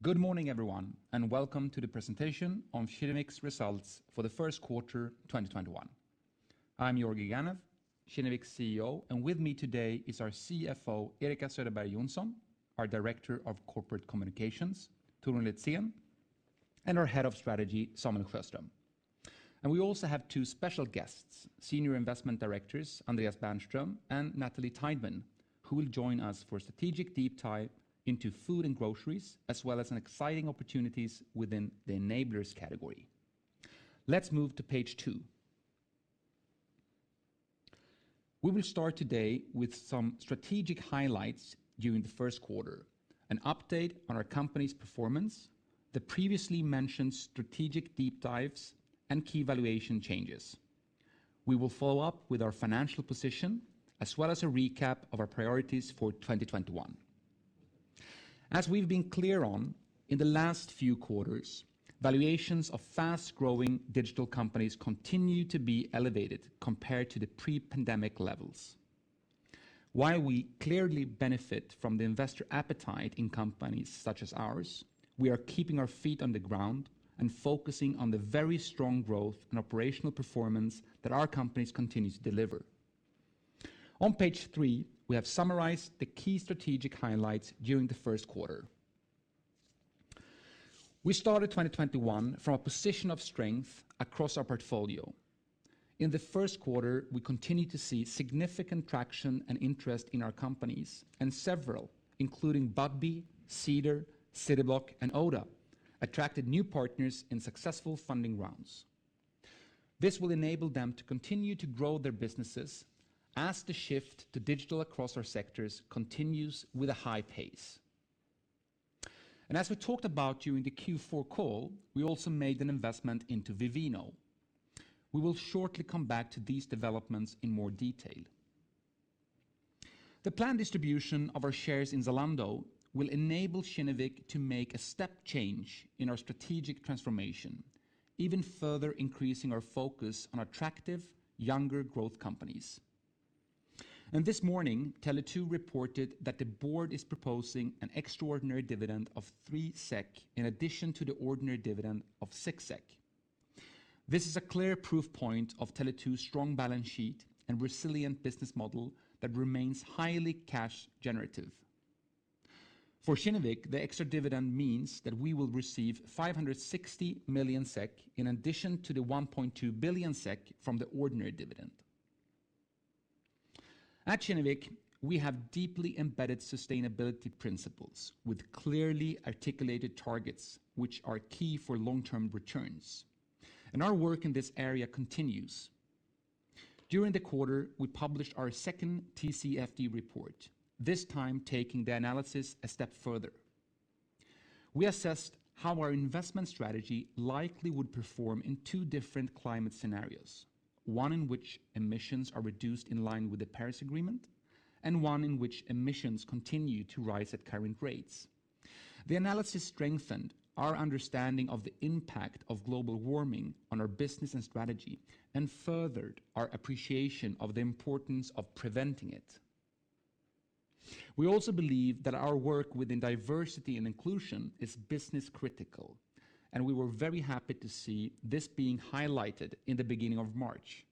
Good morning everyone, welcome to the presentation on Kinnevik's results for the Q1 2021. I'm Georgi Ganev, Kinnevik's CEO, and with me today is our CFO, Erika Söderberg Johnson, our Director of Corporate Communications, Torun Litzén, and our Head of Strategy, Samuel Sjöström. We also have two special guests, Senior Investment Directors Andreas Bernström and Natalie Tydeman, who will join us for a strategic deep dive into food and groceries, as well as exciting opportunities within the enablers category. Let's move to page two. We will start today with some strategic highlights during the Q1, an update on our company's performance, the previously mentioned strategic deep dives, and key valuation changes. We will follow up with our financial position, as well as a recap of our priorities for 2021. As we've been clear on in the last few quarters, valuations of fast-growing digital companies continue to be elevated compared to the pre-pandemic levels. While we clearly benefit from the investor appetite in companies such as ours, we are keeping our feet on the ground and focusing on the very strong growth and operational performance that our companies continue to deliver. On page three, we have summarized the key strategic highlights during the Q1. We started 2021 from a position of strength across our portfolio. In the Q1, we continued to see significant traction and interest in our companies, and several, including Budbee, Cedar, Cityblock, and Oda, attracted new partners in successful funding rounds. This will enable them to continue to grow their businesses as the shift to digital across our sectors continues with a high pace. As we talked about during the Q4 call, we also made an investment into Vivino. We will shortly come back to these developments in more detail. The planned distribution of our shares in Zalando will enable Kinnevik to make a step change in our strategic transformation, even further increasing our focus on attractive, younger growth companies. This morning, Tele2 reported that the board is proposing an extraordinary dividend of 3 SEK in addition to the ordinary dividend of 6 SEK. This is a clear proof point of Tele2's strong balance sheet and resilient business model that remains highly cash generative. For Kinnevik, the extra dividend means that we will receive 560 million SEK in addition to the 1.2 billion SEK from the ordinary dividend. At Kinnevik, we have deeply embedded sustainability principles with clearly articulated targets, which are key for long-term returns, and our work in this area continues. During the quarter, we published our second TCFD report, this time taking the analysis a step further. We assessed how our investment strategy likely would perform in two different climate scenarios, one in which emissions are reduced in line with the Paris Agreement, and one in which emissions continue to rise at current rates. The analysis strengthened our understanding of the impact of global warming on our business and strategy and furthered our appreciation of the importance of preventing it. We also believe that our work within diversity and inclusion is business critical, and we were very happy to see this being highlighted in the beginning of March.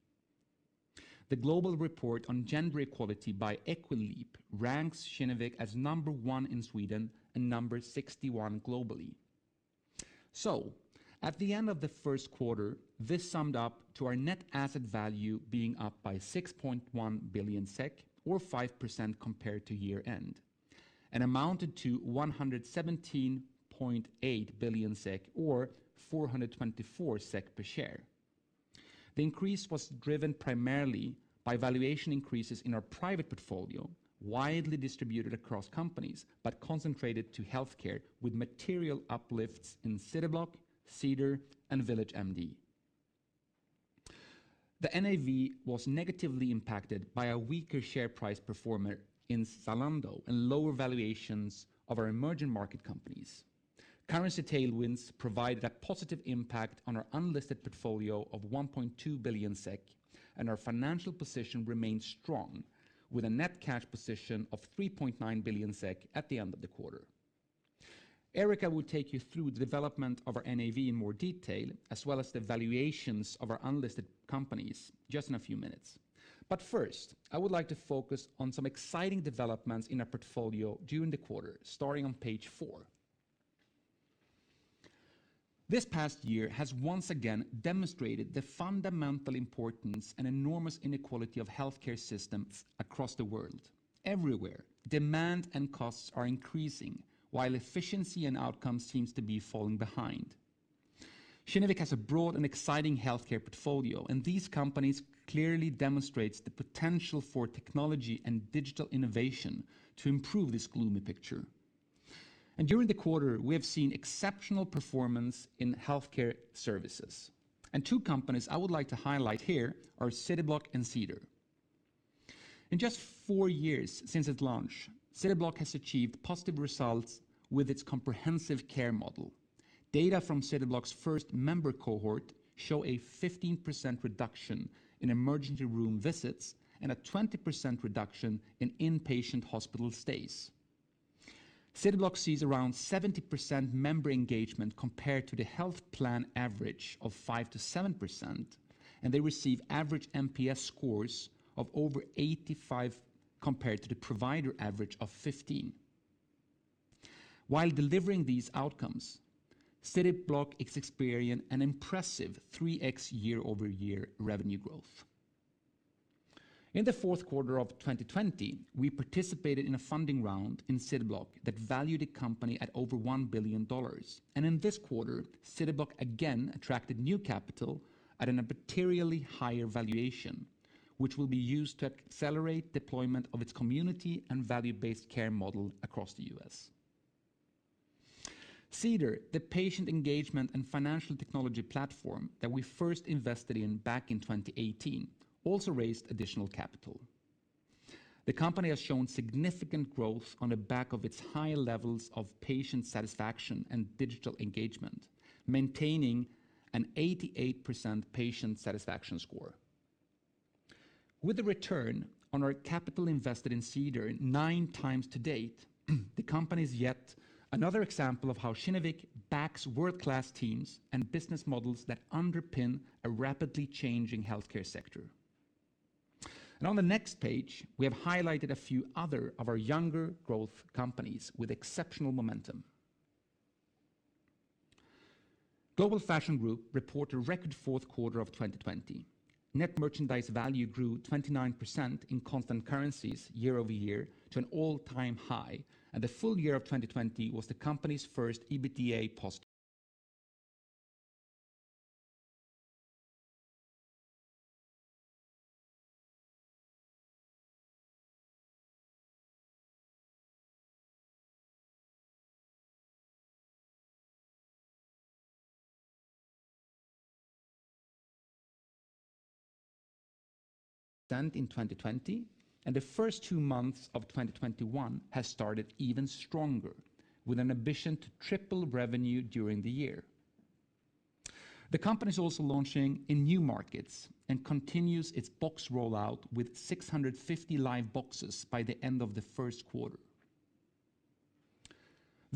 The Global Report on Gender Equality by Equileap ranks Kinnevik as number one in Sweden and number 61 globally. At the end of the Q1, this summed up to our net asset value being up by 6.1 billion SEK, or 5% compared to year-end, and amounted to 117.8 billion SEK, or 424 SEK per share. The increase was driven primarily by valuation increases in our private portfolio, widely distributed across companies, but concentrated to healthcare with material uplifts in Cityblock, Cedar, and VillageMD. The NAV was negatively impacted by a weaker share price performer in Zalando and lower valuations of our emerging market companies. Currency tailwinds provided a positive impact on our unlisted portfolio of 1.2 billion SEK, and our financial position remains strong with a net cash position of 3.9 billion SEK at the end of the quarter. Erika will take you through the development of our NAV in more detail, as well as the valuations of our unlisted companies just in a few minutes. First, I would like to focus on some exciting developments in our portfolio during the quarter, starting on page four. This past year has once again demonstrated the fundamental importance and enormous inequality of healthcare systems across the world. Everywhere, demand and costs are increasing while efficiency and outcomes seems to be falling behind. Kinnevik has a broad and exciting healthcare portfolio, and these companies clearly demonstrate the potential for technology and digital innovation to improve this gloomy picture. During the quarter, we have seen exceptional performance in healthcare services, and two companies I would like to highlight here are Cityblock and Cedar. In just four years since its launch, Cityblock has achieved positive results with its comprehensive care model. Data from Cityblock's first member cohort show a 15% reduction in emergency room visits and a 20% reduction in inpatient hospital stays. Cityblock sees around 70% member engagement compared to the health plan average of 5%-7%, and they receive average NPS scores of over 85 compared to the provider average of 15. While delivering these outcomes, Cityblock has experienced an impressive 3x year-over-year revenue growth. In the Q4 of 2020, we participated in a funding round in Cityblock that valued the company at over $1 billion. In this quarter, Cityblock again attracted new capital at a materially higher valuation, which will be used to accelerate deployment of its community and value-based care model across the U.S. Cedar, the patient engagement and financial technology platform that we first invested in back in 2018, also raised additional capital. The company has shown significant growth on the back of its high levels of patient satisfaction and digital engagement, maintaining an 88% patient satisfaction score. With a return on our capital invested in Cedar nine times to date, the company is yet another example of how Kinnevik backs world-class teams and business models that underpin a rapidly changing healthcare sector. On the next page, we have highlighted a few other of our younger growth companies with exceptional momentum. Global Fashion Group reported a record Q4 of 2020. Net merchandise value grew 29% in constant currencies year-over-year to an all-time high, and the full year of 2020 was the company's first EBITDA positive- Stand in 2020, and the first two months of 2021 has started even stronger with an ambition to triple revenue during the year. The company is also launching in new markets and continues its box rollout with 650 live boxes by the end of the Q1.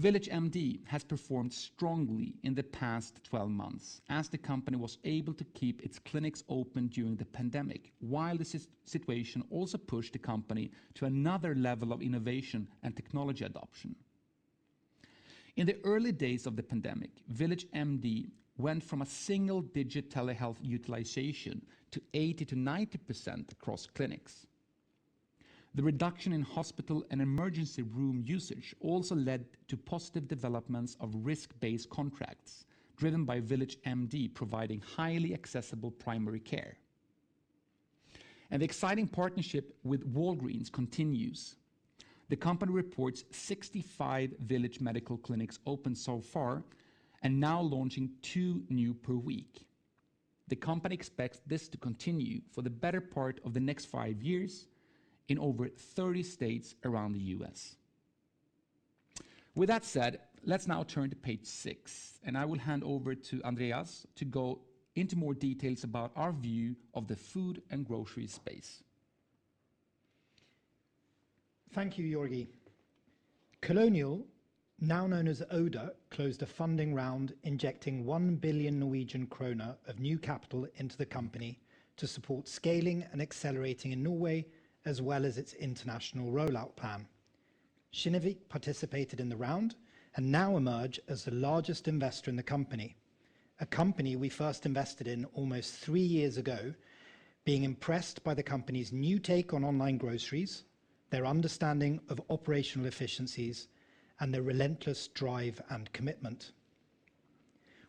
VillageMD has performed strongly in the past 12 months as the company was able to keep its clinics open during the pandemic, while the situation also pushed the company to another level of innovation and technology adoption. In the early days of the pandemic, VillageMD went from a single-digit telehealth utilization to 80%-90% across clinics. The reduction in hospital and emergency room usage also led to positive developments of risk-based contracts driven by VillageMD providing highly accessible primary care. An exciting partnership with Walgreens continues. The company reports 65 Village Medical Clinics open so far and now launching two new per week. The company expects this to continue for the better part of the next five years in over 30 states around the U.S. With that said, let's now turn to page six, and I will hand over to Andreas to go into more details about our view of the food and grocery space. Thank you, Georgi. Kolonial, now known as Oda, closed a funding round injecting 1 billion Norwegian kroner of new capital into the company to support scaling and accelerating in Norway, as well as its international rollout plan. Kinnevik participated in the round and now emerge as the largest investor in the company. A company we first invested in almost three years ago, being impressed by the company's new take on online groceries, their understanding of operational efficiencies, and their relentless drive and commitment.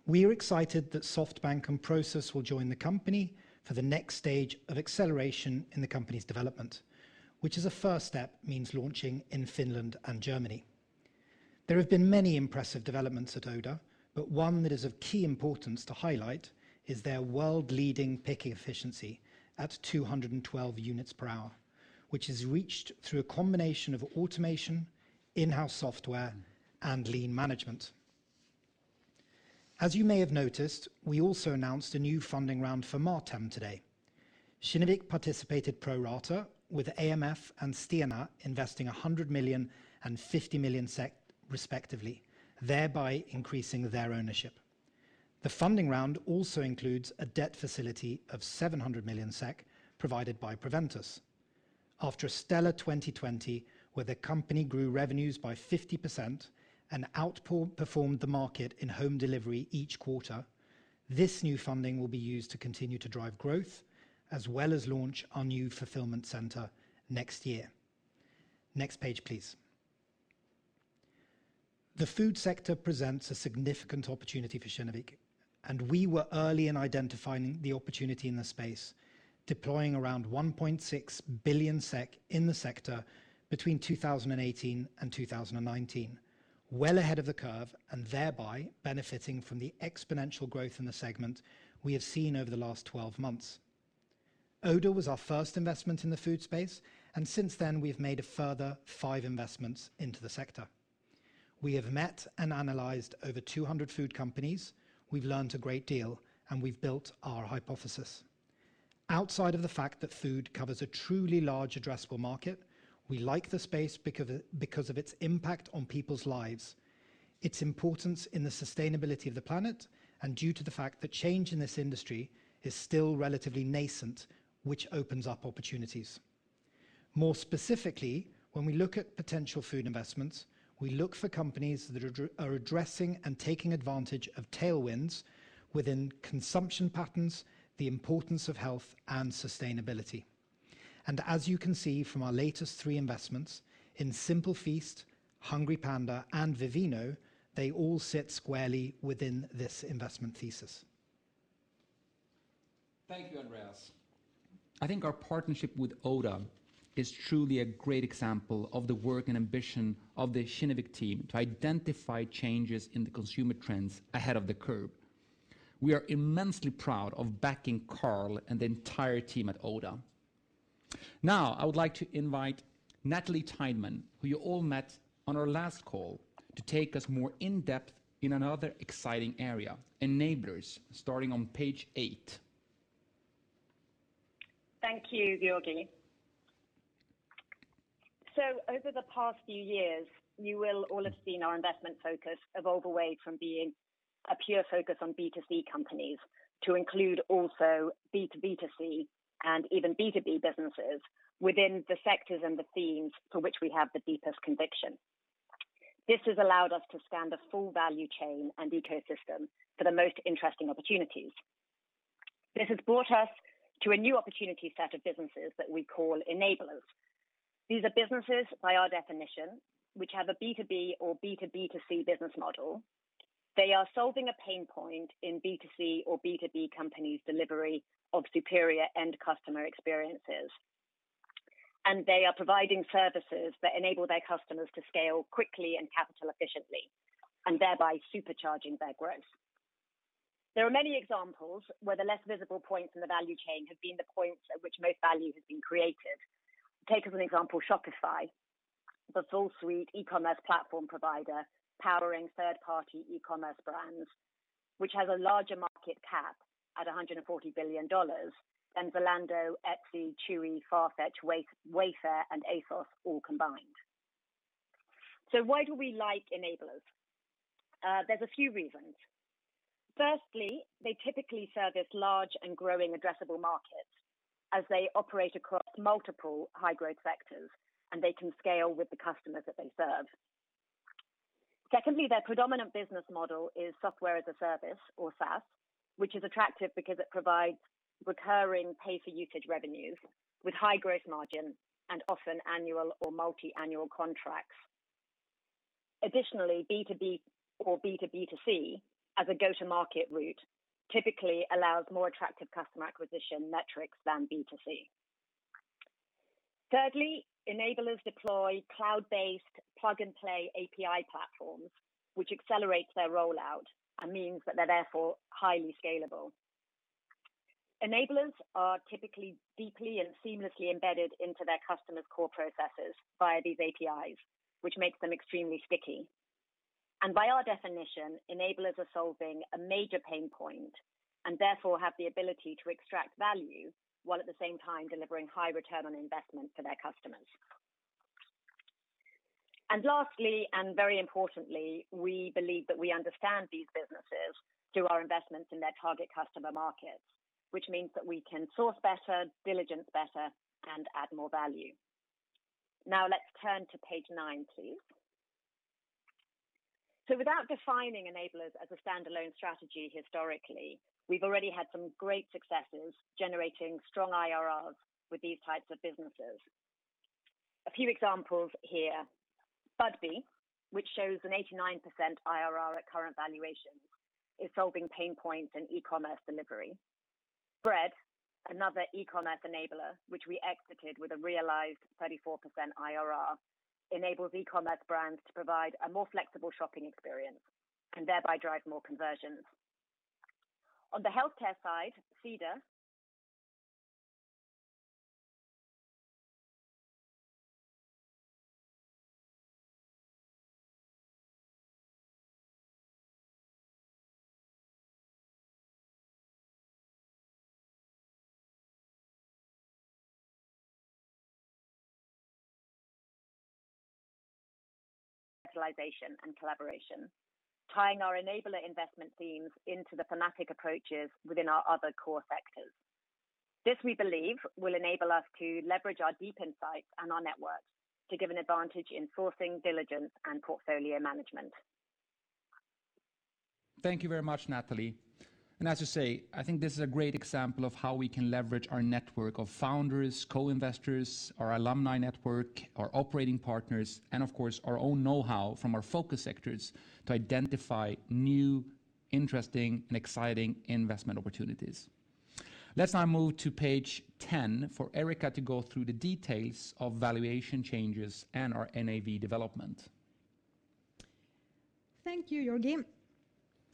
We are excited that SoftBank and Prosus will join the company for the next stage of acceleration in the company's development, which as a first step means launching in Finland and Germany. There have been many impressive developments at Oda, but one that is of key importance to highlight is their world-leading picking efficiency at 212 units per hour, which is reached through a combination of automation, in-house software, and lean management. As you may have noticed, we also announced a new funding round for Mathem today. Kinnevik participated pro rata with AMF and Stena investing 100 million and 50 million SEK respectively, thereby increasing their ownership. The funding round also includes a debt facility of 700 million SEK provided by Proventus. After a stellar 2020, where the company grew revenues by 50% and outperformed the market in home delivery each quarter, this new funding will be used to continue to drive growth as well as launch our new fulfillment center next year. Next page, please. The food sector presents a significant opportunity for Kinnevik, and we were early in identifying the opportunity in the space, deploying around 1.6 billion SEK in the sector between 2018 and 2019, well ahead of the curve and thereby benefiting from the exponential growth in the segment we have seen over the last 12 months. Oda was our first investment in the food space, and since then we've made a further five investments into the sector. We have met and analyzed over 200 food companies. We've learned a great deal, and we've built our hypothesis. Outside of the fact that food covers a truly large addressable market, we like the space because of its impact on people's lives, its importance in the sustainability of the planet, and due to the fact that change in this industry is still relatively nascent, which opens up opportunities. More specifically, when we look at potential food investments, we look for companies that are addressing and taking advantage of tailwinds within consumption patterns, the importance of health, and sustainability. As you can see from our latest three investments in Simple Feast, HungryPanda, and Vivino, they all sit squarely within this investment thesis. Thank you, Andreas. I think our partnership with Oda is truly a great example of the work and ambition of the Kinnevik team to identify changes in the consumer trends ahead of the curve. We are immensely proud of backing Karl and the entire team at Oda. I would like to invite Natalie Tydeman, who you all met on our last call, to take us more in-depth in another exciting area, enablers, starting on page eight. Thank you, Georgi. Over the past few years, you will all have seen our investment focus evolve away from being a pure focus on B2C companies to include also B2B2C and even B2B businesses within the sectors and the themes for which we have the deepest conviction. This has allowed us to scan the full value chain and ecosystem for the most interesting opportunities. This has brought us to a new opportunity set of businesses that we call enablers. These are businesses by our definition, which have a B2B or B2B2C business model. They are solving a pain point in B2C or B2B companies' delivery of superior end customer experiences. They are providing services that enable their customers to scale quickly and capital efficiently, and thereby supercharging their growth. There are many examples where the less visible points in the value chain have been the points at which most value has been created. Take as an example Shopify, the full suite e-commerce platform provider powering third-party e-commerce brands, which has a larger market cap at SEK 140 billion than Zalando, Etsy, Chewy, Farfetch, Wayfair, and ASOS all combined. Why do we like enablers? There's a few reasons. Firstly, they typically service large and growing addressable markets as they operate across multiple high-growth sectors, and they can scale with the customers that they serve. Secondly, their predominant business model is software as a service, or SaaS, which is attractive because it provides recurring pay-for-usage revenues with high gross margins and often annual or multi-annual contracts. Additionally, B2B or B2B2C as a go-to-market route typically allows more attractive customer acquisition metrics than B2C. Enablers deploy cloud-based plug-and-play API platforms, which accelerates their rollout and means that they're therefore highly scalable. Enablers are typically deeply and seamlessly embedded into their customers' core processes via these APIs, which makes them extremely sticky. By our definition, enablers are solving a major pain point, and therefore have the ability to extract value, while at the same time delivering high return on investment for their customers. Lastly, and very importantly, we believe that we understand these businesses through our investments in their target customer markets, which means that we can source better, diligence better, and add more value. Let's turn to page nine, please. Without defining enablers as a standalone strategy historically, we've already had some great successes generating strong IRRs with these types of businesses. A few examples here. Budbee, which shows an 89% IRR at current valuations, is solving pain points in e-commerce delivery. Bread, another e-commerce enabler, which we exited with a realized 34% IRR, enables e-commerce brands to provide a more flexible shopping experience and thereby drive more conversions. On the healthcare side, Cedar. Specialization and collaboration, tying our enabler investment themes into the thematic approaches within our other core sectors. This, we believe, will enable us to leverage our deep insights and our networks to give an advantage in sourcing diligence and portfolio management. Thank you very much, Natalie. As you say, I think this is a great example of how we can leverage our network of founders, co-investors, our alumni network, our operating partners, and of course, our own knowhow from our focus sectors to identify new, interesting, and exciting investment opportunities. Let's now move to page 10 for Erika to go through the details of valuation changes and our NAV development. Thank you, Georgi.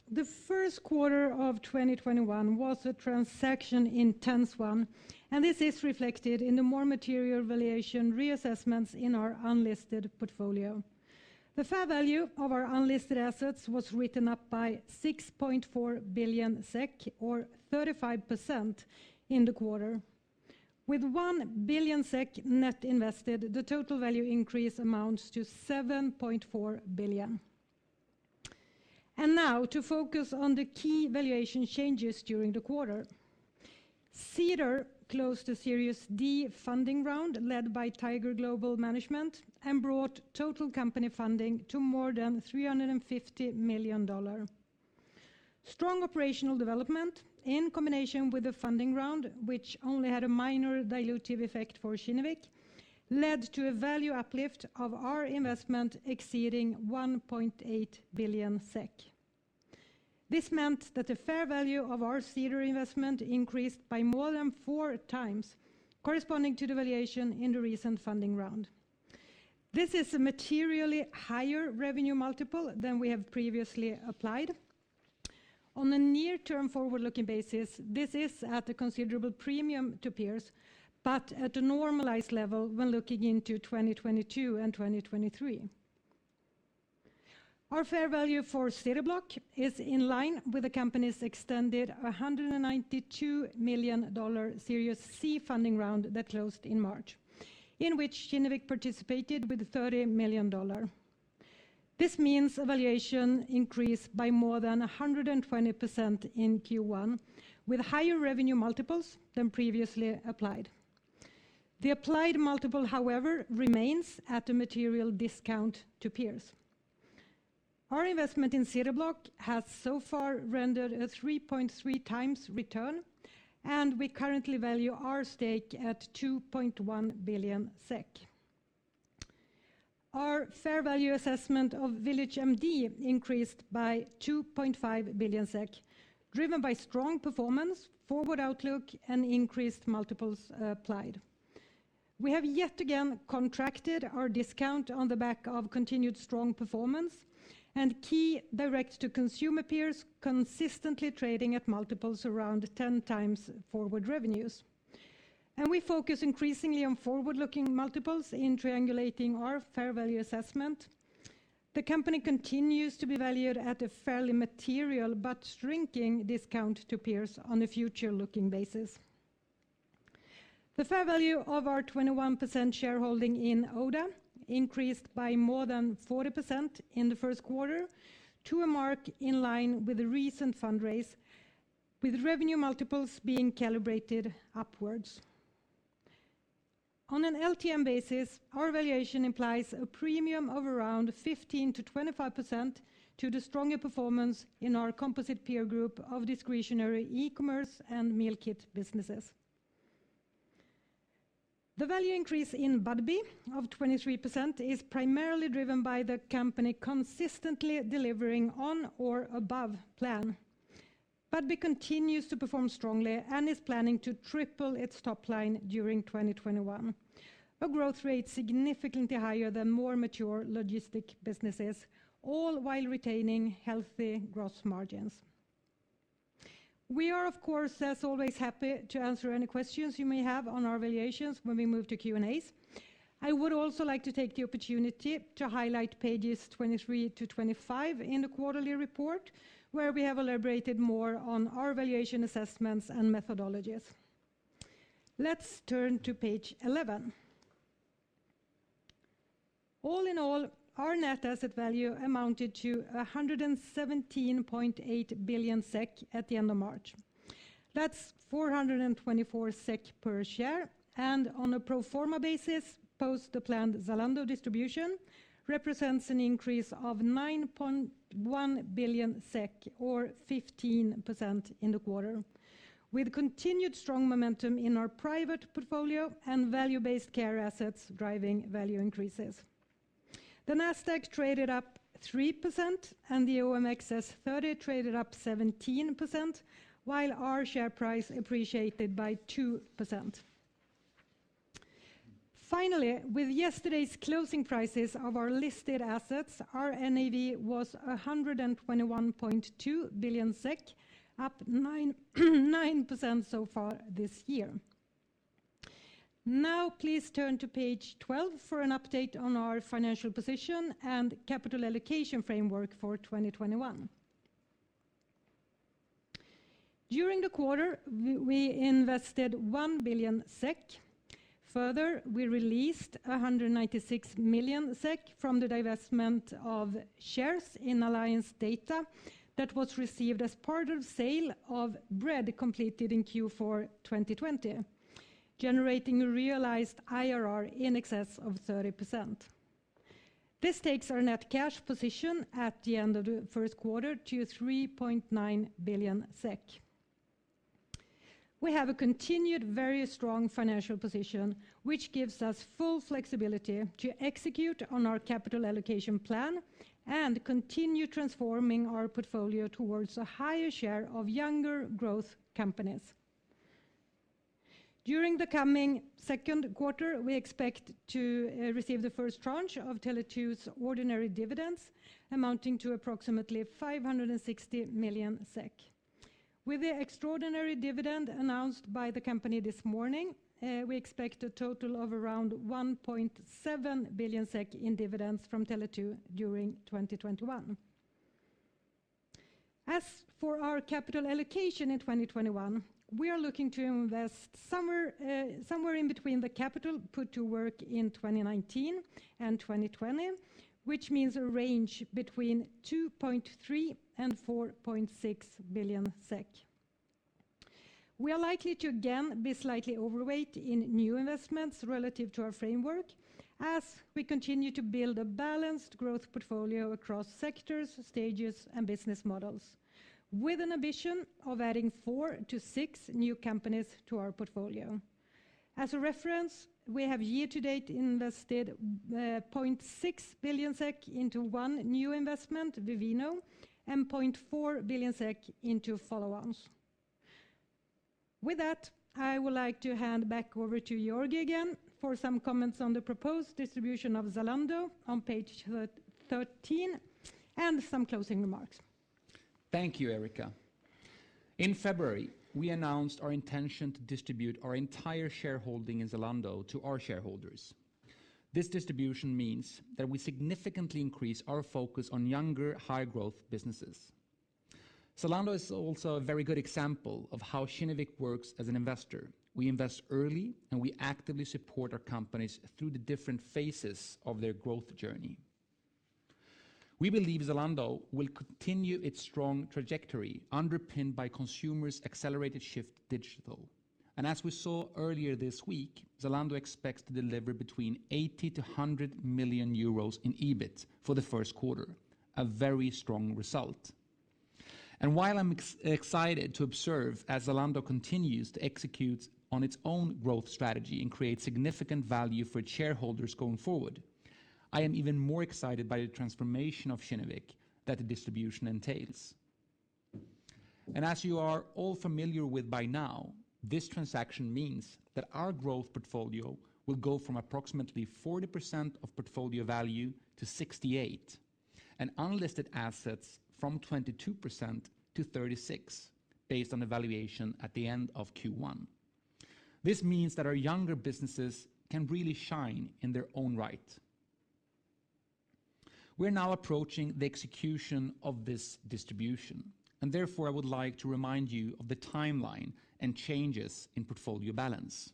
The Q1 of 2021 was a transaction intense one. This is reflected in the more material valuation reassessments in our unlisted portfolio. The fair value of our unlisted assets was written up by 6.4 billion SEK, or 35% in the quarter. With 1 billion SEK net invested, the total value increase amounts to 7.4 billion. Now to focus on the key valuation changes during the quarter. Cedar closed a Series D funding round led by Tiger Global Management and brought total company funding to more than 350 million dollar. Strong operational development in combination with the funding round, which only had a minor dilutive effect for Kinnevik, led to a value uplift of our investment exceeding 1.8 billion SEK. This meant that the fair value of our Cedar investment increased by more than four times, corresponding to the valuation in the recent funding round. This is a materially higher revenue multiple than we have previously applied. On a near-term forward-looking basis, this is at a considerable premium to peers, but at a normalized level when looking into 2022 and 2023. Our fair value for Cityblock is in line with the company's extended $192 million Series C funding round that closed in March, in which Kinnevik participated with $30 million. This means a valuation increase by more than 120% in Q1, with higher revenue multiples than previously applied. The applied multiple, however, remains at a material discount to peers. Our investment in Cityblock has so far rendered a 3.3x return, and we currently value our stake at 2.1 billion SEK. Our fair value assessment of VillageMD increased by 2.5 billion SEK, driven by strong performance, forward outlook, and increased multiples applied. We have yet again contracted our discount on the back of continued strong performance and key direct-to-consumer peers consistently trading at multiples around 10 times forward revenues. We focus increasingly on forward-looking multiples in triangulating our fair value assessment. The company continues to be valued at a fairly material but shrinking discount to peers on a future-looking basis. The fair value of our 21% shareholding in Oda increased by more than 40% in the Q1 to a mark in line with the recent fundraise, with revenue multiples being calibrated upwards. On an LTM basis, our valuation implies a premium of around 15%-25% to the stronger performance in our composite peer group of discretionary eCommerce and meal kit businesses. The value increase in Budbee of 23% is primarily driven by the company consistently delivering on or above plan. Budbee continues to perform strongly and is planning to triple its top line during 2021, a growth rate significantly higher than more mature logistic businesses, all while retaining healthy gross margins. We are, of course, as always, happy to answer any questions you may have on our valuations when we move to Q&As. I would also like to take the opportunity to highlight pages 23-25 in the quarterly report, where we have elaborated more on our valuation assessments and methodologies. Let's turn to page 11. All in all, our net asset value amounted to 117.8 billion SEK at the end of March. That's 424 SEK per share and on a pro forma basis, post the planned Zalando distribution, represents an increase of 9.1 billion SEK or 15% in the quarter, with continued strong momentum in our private portfolio and value-based care assets driving value increases. The Nasdaq traded up 3% and the OMXS30 traded up 17%, while our share price appreciated by 2%. Finally, with yesterday's closing prices of our listed assets, our NAV was 121.2 billion SEK, up 9% so far this year. Now please turn to page 12 for an update on our financial position and capital allocation framework for 2021. During the quarter, we invested 1 billion SEK. Further, we released 196 million SEK from the divestment of shares in Alliance Data that was received as part of sale of Bread completed in Q4 2020, generating a realized IRR in excess of 30%. This takes our net cash position at the end of the Q1 to 3.9 billion SEK. We have a continued very strong financial position, which gives us full flexibility to execute on our capital allocation plan and continue transforming our portfolio towards a higher share of younger growth companies. During the coming Q2, we expect to receive the first tranche of Tele2's ordinary dividends amounting to approximately 560 million SEK. With the extraordinary dividend announced by the company this morning, we expect a total of around 1.7 billion SEK in dividends from Tele2 during 2021. As for our capital allocation in 2021, we are looking to invest somewhere in between the capital put to work in 2019 and 2020, which means a range between 2.3 billion-4.6 billion SEK. We are likely to again be slightly overweight in new investments relative to our framework as we continue to build a balanced growth portfolio across sectors, stages, and business models with an ambition of adding four to six new companies to our portfolio. As a reference, we have year to date invested 0.6 billion SEK into one new investment, Vivino, and 0.4 billion SEK into follow-ons. With that, I would like to hand back over to Georgi again for some comments on the proposed distribution of Zalando on page 13, and some closing remarks. Thank you, Erika. In February, we announced our intention to distribute our entire shareholding in Zalando to our shareholders. This distribution means that we significantly increase our focus on younger, high growth businesses. Zalando is also a very good example of how Kinnevik works as an investor. We invest early. We actively support our companies through the different phases of their growth journey. We believe Zalando will continue its strong trajectory underpinned by consumers' accelerated shift digital. As we saw earlier this week, Zalando expects to deliver between 80 million-100 million euros in EBIT for the Q1, a very strong result. While I'm excited to observe as Zalando continues to execute on its own growth strategy and create significant value for shareholders going forward, I am even more excited by the transformation of Kinnevik that the distribution entails. As you are all familiar with by now, this transaction means that our growth portfolio will go from approximately 40% of portfolio value to 68% and unlisted assets from 22%-36%, based on the valuation at the end of Q1. This means that our younger businesses can really shine in their own right. We're now approaching the execution of this distribution, and therefore I would like to remind you of the timeline and changes in portfolio balance.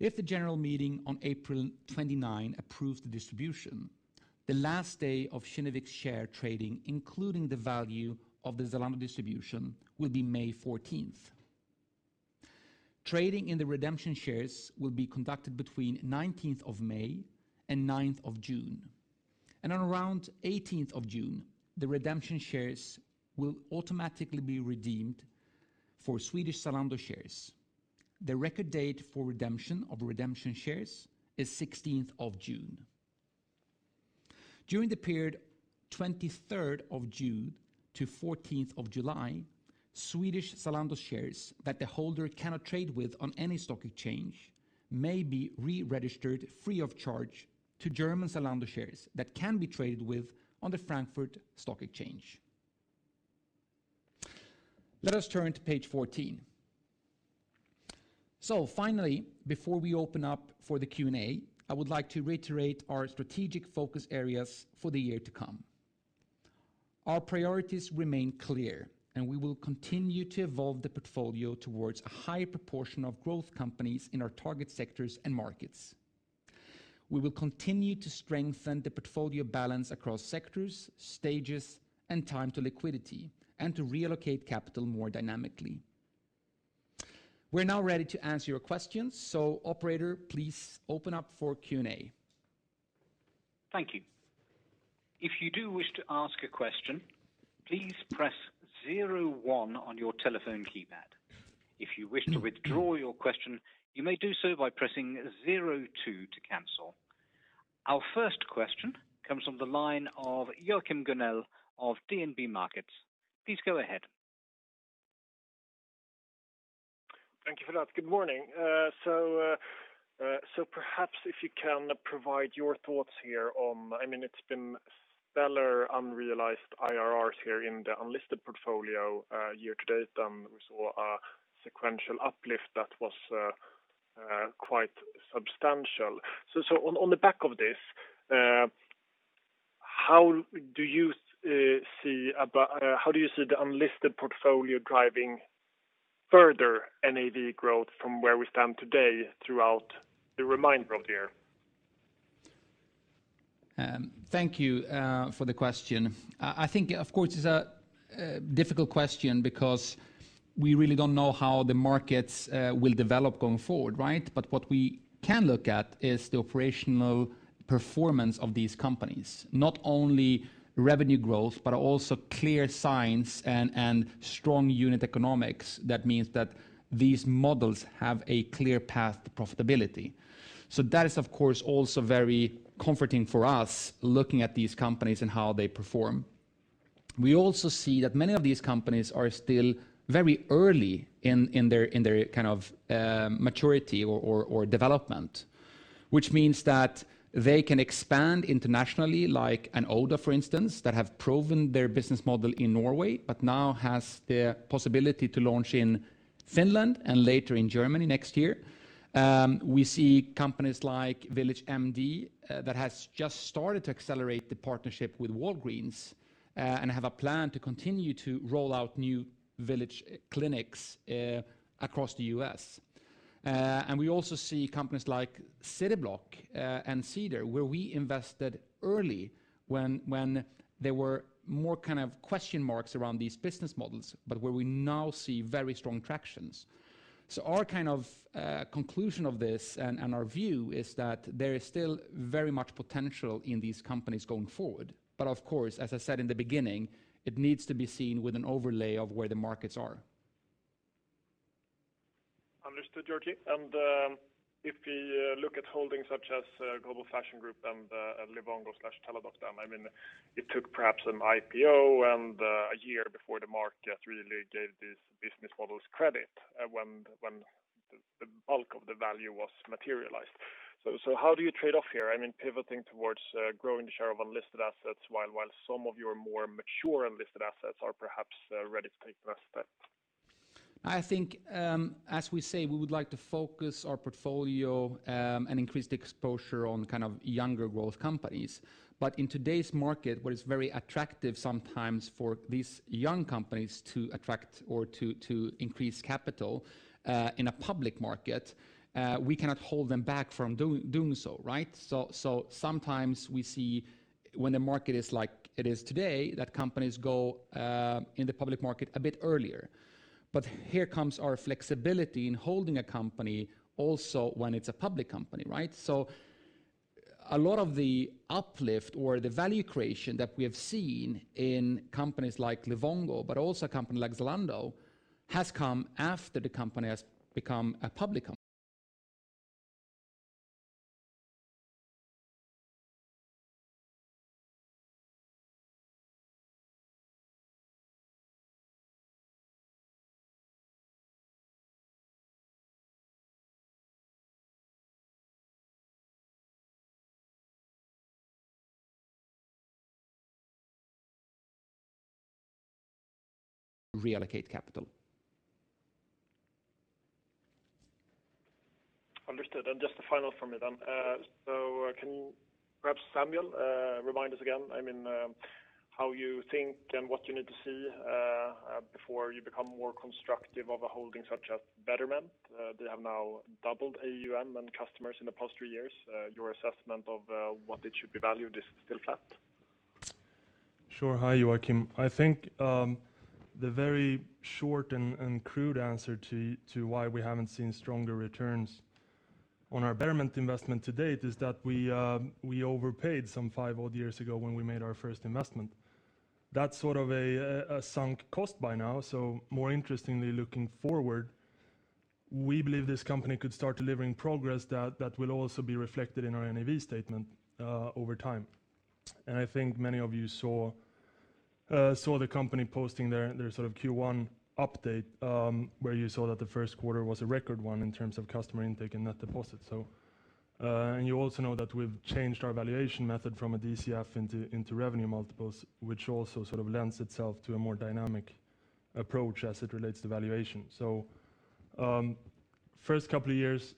If the general meeting on April 29th, approves the distribution, the last day of Kinnevik's share trading, including the value of the Zalando distribution, will be May 14th. Trading in the redemption shares will be conducted between May 19th and June 9th. On around June 18th, the redemption shares will automatically be redeemed for Swedish Zalando shares. The record date for redemption of redemption shares is June 16th. During the period June 23rd-July 14th, Swedish Zalando shares that the holder cannot trade with on any stock exchange may be re-registered free of charge to German Zalando shares that can be traded with on the Frankfurt Stock Exchange. Let us turn to page 14. Finally, before we open up for the Q&A, I would like to reiterate our strategic focus areas for the year to come. Our priorities remain clear, and we will continue to evolve the portfolio towards a higher proportion of growth companies in our target sectors and markets. We will continue to strengthen the portfolio balance across sectors, stages, and time to liquidity, and to reallocate capital more dynamically. We're now ready to answer your questions. Operator, please open up for Q&A. Thank you. If you do wish to ask a question, please press zero one on your telephone keypad. If you wish to withdraw your question, you may do so by pressing zero two to cancel. Our first question comes from the line of Joachim Gunell of DNB Markets. Please go ahead. Thank you for that. Good morning. Perhaps if you can provide your thoughts here on, it's been stellar unrealized IRRs here in the unlisted portfolio year to date, and we saw a sequential uplift that was quite substantial. On the back of this, how do you see the unlisted portfolio driving further NAV growth from where we stand today throughout the remainder of the year? Thank you for the question. I think, of course, it is a difficult question because we really do not know how the markets will develop going forward, right? What we can look at is the operational performance of these companies. Not only revenue growth, but also clear signs and strong unit economics that means that these models have a clear path to profitability. That is, of course, also very comforting for us looking at these companies and how they perform. We also see that many of these companies are still very early in their maturity or development, which means that they can expand internationally, like an Oda, for instance, that have proven their business model in Norway, but now has the possibility to launch in Finland and later in Germany next year. We see companies like VillageMD that has just started to accelerate the partnership with Walgreens and have a plan to continue to roll out new Village clinics across the U.S. We also see companies like Cityblock and Cedar, where we invested early when there were more question marks around these business models, but where we now see very strong tractions. Our conclusion of this and our view is that there is still very much potential in these companies going forward. Of course, as I said in the beginning, it needs to be seen with an overlay of where the markets are. Understood, Georgi. If we look at holdings such as Global Fashion Group and Livongo/Teladoc, it took perhaps an IPO and a year before the market really gave these business models credit when the bulk of the value was materialized. How do you trade off here? Pivoting towards growing the share of unlisted assets while some of your more mature unlisted assets are perhaps ready to take the next step? I think, as we say, we would like to focus our portfolio and increase the exposure on younger growth companies. In today's market, where it's very attractive sometimes for these young companies to attract or to increase capital in a public market, we cannot hold them back from doing so, right? Sometimes we see when the market is like it is today, that companies go in the public market a bit earlier. Here comes our flexibility in holding a company also when it's a public company, right? A lot of the uplift or the value creation that we have seen in companies like Livongo, but also a company like Zalando, has come after the company has become a public company. Reallocate capital. Understood. Just the final from me then. Can perhaps Samuel remind us again, how you think, and what you need to see before you become more constructive of a holding such as Betterment? They have now doubled AUM and customers in the past three years. Your assessment of what it should be valued is still flat. Sure. Hi, Joachim. I think the very short and crude answer to why we haven't seen stronger returns on our Betterment investment to date is that we overpaid some five odd years ago when we made our first investment. That's sort of a sunk cost by now. More interestingly, looking forward, we believe this company could start delivering progress that will also be reflected in our NAV statement over time. I think many of you saw the company posting their Q1 update, where you saw that the Q1 was a record one in terms of customer intake and net deposits. You also know that we've changed our valuation method from a DCF into revenue multiples, which also lends itself to a more dynamic approach as it relates to valuation. First couple of years,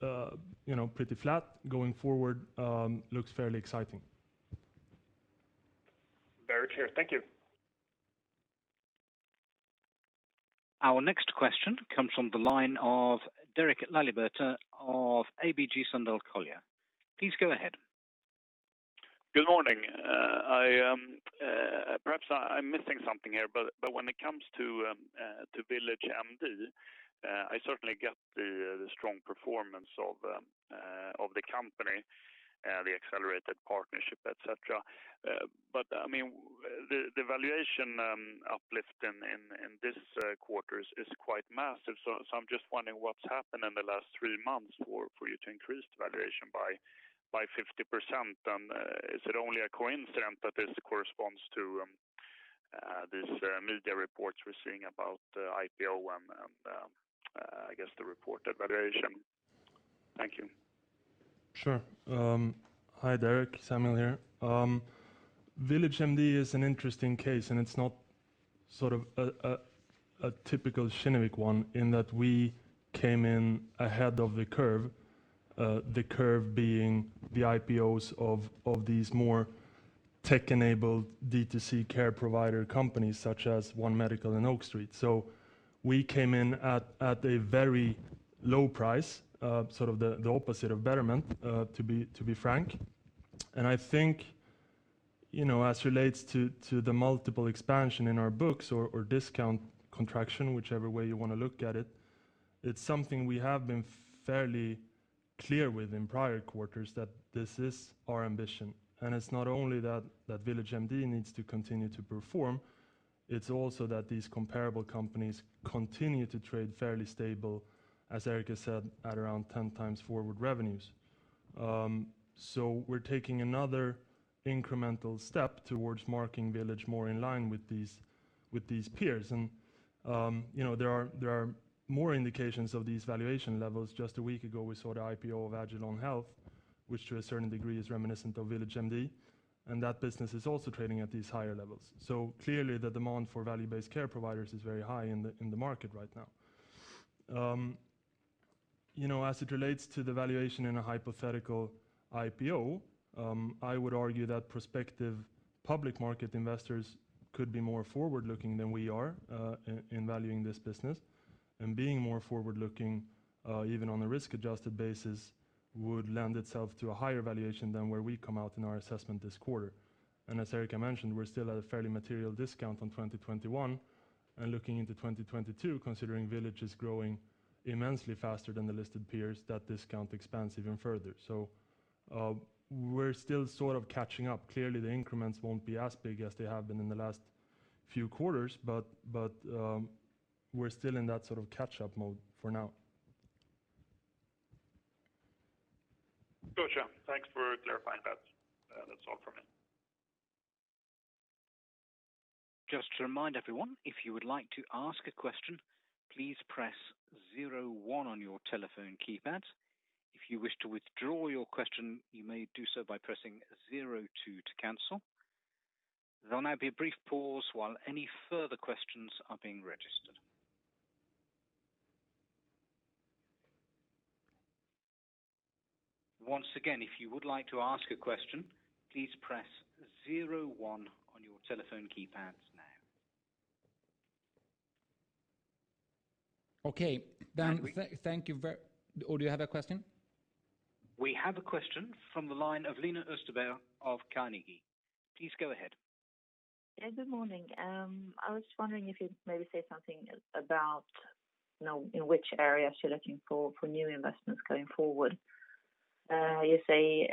pretty flat. Going forward, looks fairly exciting. Very clear. Thank you. Our next question comes from the line of Derek Laliberté of ABG Sundal Collier. Please go ahead. Good morning. Perhaps I'm missing something here, but when it comes to VillageMD, I certainly get the strong performance of the company, the accelerated partnership, et cetera. The valuation uplift in this quarter is quite massive. I'm just wondering what's happened in the last three months for you to increase the valuation by 50%. Is it only a coincidence that this corresponds to these media reports we're seeing about IPO and, I guess, the reported valuation? Thank you. Sure. Hi, Derek, Samuel here. VillageMD is an interesting case. It's not a typical Kinnevik one in that we came in ahead of the curve, the curve being the IPOs of these more tech-enabled D2C care provider companies such as One Medical and Oak Street. We came in at a very low price, sort of the opposite of Betterment, to be frank. I think as relates to the multiple expansion in our books or discount contraction, whichever way you want to look at it's something we have been fairly clear with in prior quarters that this is our ambition. It's not only that VillageMD needs to continue to perform. It's also that these comparable companies continue to trade fairly stable, as Erika said, at around 10 times forward revenues. We're taking another incremental step towards marking Village more in line with these peers. There are more indications of these valuation levels. Just a week ago, we saw the IPO of agilon health, which to a certain degree is reminiscent of VillageMD, and that business is also trading at these higher levels. Clearly the demand for value-based care providers is very high in the market right now. As it relates to the valuation in a hypothetical IPO, I would argue that prospective public market investors could be more forward-looking than we are in valuing this business. Being more forward-looking, even on a risk-adjusted basis, would lend itself to a higher valuation than where we come out in our assessment this quarter. As Erika mentioned, we're still at a fairly material discount on 2021, and looking into 2022, considering Village is growing immensely faster than the listed peers, that discount expands even further. We're still sort of catching up. The increments won't be as big as they have been in the last few quarters, but we're still in that sort of catch-up mode for now. Gotcha. Thanks for clarifying that. That's all from me. Just to remind everyone, if you would like to ask a question, please press zero one on your telephone keypad. If you wish to withdraw your question, you may do so by pressing zero two to cancel. There'll now be a brief pause while any further questions are being registered. Once again, if you would like to ask a question, please press zero one on your telephone keypads now. Okay. Thank you. Do you have a question? We have a question from the line of Lena Österberg of Carnegie. Please go ahead. Yeah, good morning. I was just wondering if you'd maybe say something about in which areas you're looking for new investments going forward. You say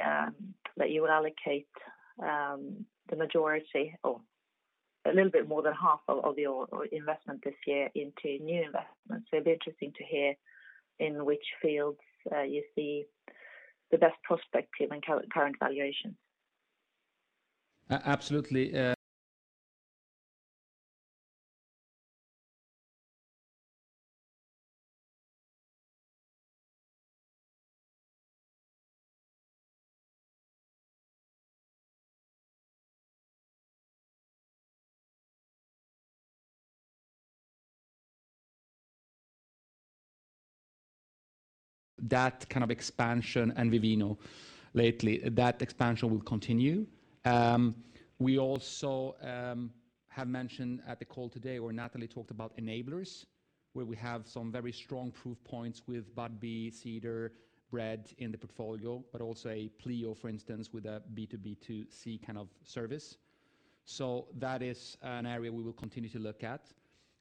that you will allocate the majority, or a little bit more than half of your investment this year into new investments. It'd be interesting to hear in which fields you see the best prospective and current valuations? Absolutely. That kind of expansion, and Vivino lately, that expansion will continue. We have mentioned at the call today where Natalie talked about enablers, where we have some very strong proof points with Budbee, Cedar, Bread in the portfolio, but also Pleo, for instance, with a B2B2C kind of service. That is an area we will continue to look at.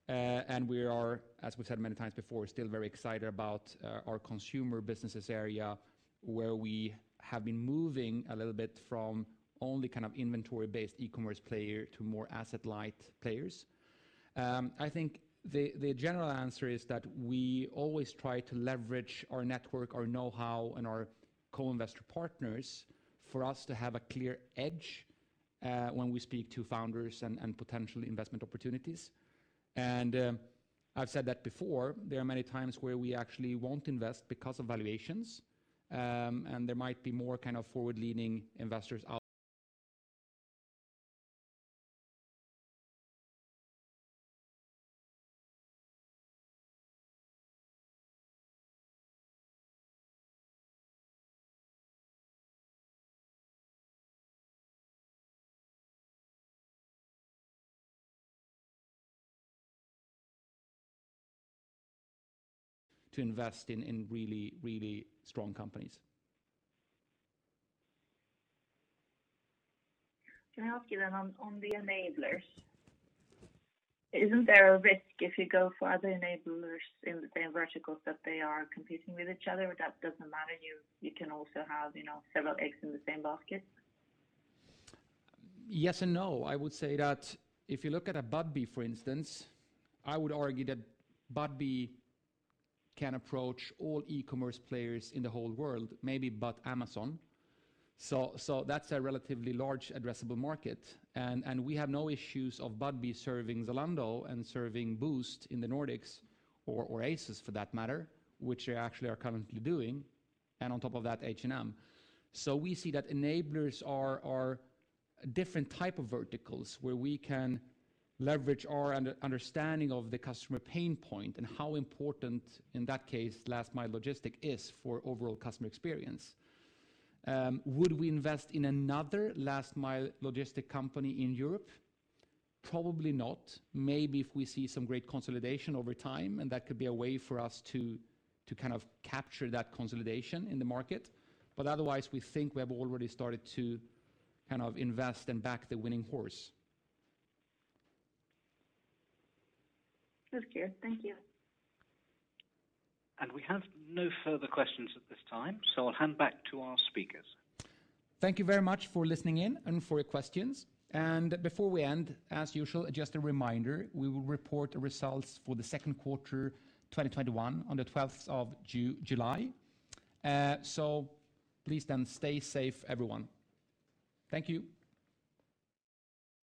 We are, as we've said many times before, still very excited about our consumer businesses area, where we have been moving a little bit from only kind of inventory-based e-commerce player to more asset-light players. I think the general answer is that we always try to leverage our network, our know-how, and our co-investor partners for us to have a clear edge when we speak to founders and potential investment opportunities. I've said that before, there are many times where we actually won't invest because of valuations, and there might be more kind of forward-leaning investors to invest in really strong companies. Can I ask you on the enablers, isn't there a risk if you go for other enablers in the same verticals that they are competing with each other? That doesn't matter, you can also have several eggs in the same basket? Yes and no. I would say that if you look at a Budbee, for instance, I would argue that Budbee can approach all e-commerce players in the whole world, maybe but Amazon. That's a relatively large addressable market, and we have no issues of Budbee serving Zalando and serving Boozt in the Nordics, or ASOS for that matter, which they actually are currently doing, and on top of that, H&M. We see that enablers are different type of verticals where we can leverage our understanding of the customer pain point and how important, in that case, last-mile logistic is for overall customer experience. Would we invest in another last-mile logistic company in Europe? Probably not. Maybe if we see some great consolidation over time, and that could be a way for us to kind of capture that consolidation in the market. Otherwise, we think we have already started to kind of invest and back the winning horse. That's clear. Thank you. We have no further questions at this time, so I'll hand back to our speakers. Thank you very much for listening in and for your questions. Before we end, as usual, just a reminder, we will report the results for the Q2 2021 on the July 12th. Please then stay safe, everyone. Thank you.